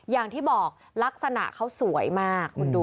อย่างที่บอกลักษณะเขาสวยมากคุณดู